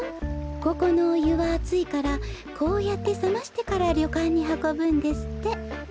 ここのおゆはあついからこうやってさましてからりょかんにはこぶんですって。